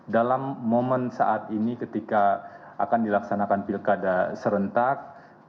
dalam momen saat ini ketika akan dilaksanakan pilkada serentak